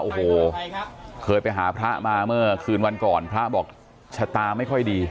โอ้โหเคยไปหาพระมาเมื่อคืนวันก่อนพระบอกชะตาไม่ค่อยดี